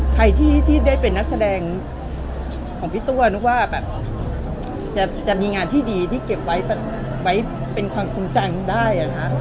ใครที่ได้เป็นนักแสดงของพี่ตัวนึกว่าแบบจะมีงานที่ดีที่เก็บไว้เป็นความทรงจำได้